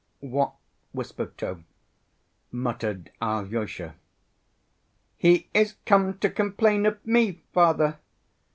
"What wisp of tow?" muttered Alyosha. "He is come to complain of me, father!"